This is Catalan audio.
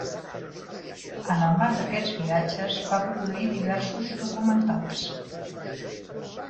En el marc d'aquests viatges va produir diversos documentals.